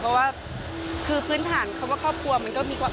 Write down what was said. เพราะว่าคือพื้นฐานคำว่าครอบครัวมันก็มีความ